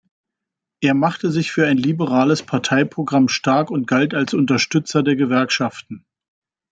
Er machte sich für ein liberales Parteiprogramm stark und galt als Unterstützer der Gewerkschaften.